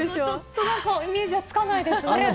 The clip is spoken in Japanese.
イメージはつかないですね。